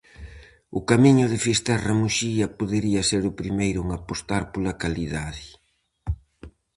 O camiño de Fisterra-Muxía podería ser o primeiro en apostar pola calidade.